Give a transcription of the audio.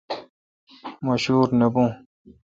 مہ شور نہ بھون